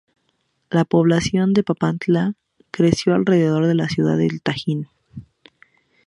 La población de Papantla creció alrededor de la ciudad de El Tajín.